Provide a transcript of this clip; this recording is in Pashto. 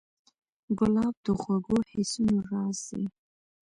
ګلاب د خوږو حسونو راز دی.